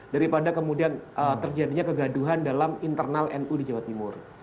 daripada kemudian terjadinya kegaduhan dalam internal nu di jawa timur